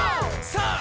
さあ！